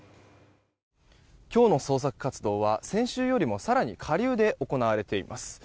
今日の捜索活動は先週よりも更に下流で行われています。